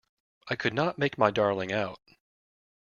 I could not make my darling out.